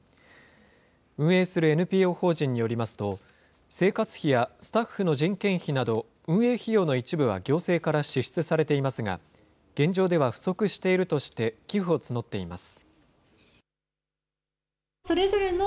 運営するＮＰＯ法人によりますと、生活費やスタッフの人件費など、運営費用の一部は行政から支出されていますが、現状では不足しているとして、寄付を募っています。